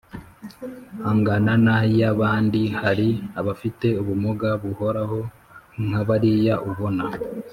angana n'ay'abandi. hari abafite ubumuga buhoraho nka bariya ubona